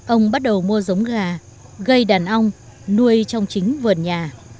ông bắt đầu mua giống gà gây đàn ong nuôi trong chính vườn nhà